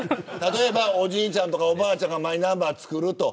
おじいちゃんとかおばあちゃんがマイナンバーを作る。